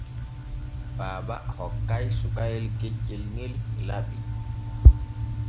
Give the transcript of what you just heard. Baaba hokkay sukayel keccel ŋel laɓi.